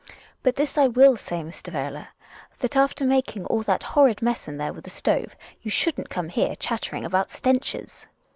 But this I will say, Mr. Werle, that after I making all that horrid mess in there with the stove, you shouldn't come here chattering about stenches.